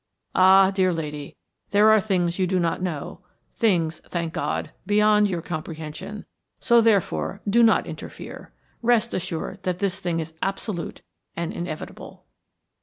Ah, dear lady, there are things you do not know, things, thank God, beyond your comprehension, so, therefore, do not interfere. Rest assured that this thing is absolute and inevitable."